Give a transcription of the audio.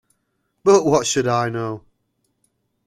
But what should I know?